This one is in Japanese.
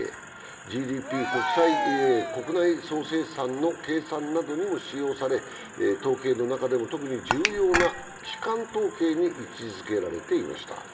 ＧＤＰ＝国内総生産の計算などにも使用され、統計の中でも特に重要な基幹統計に位置づけられていました。